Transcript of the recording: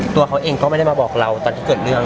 ตัวเขาเองก็ไม่ได้มาบอกเราตอนที่เกิดเรื่อง